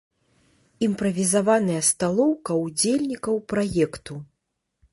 Імправізаваная сталоўка ўдзельнікаў праекту.